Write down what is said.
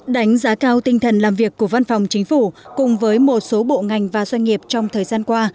đánh giá cao tinh thần làm việc của văn phòng chính phủ cùng với một số bộ ngành và doanh nghiệp trong thời gian qua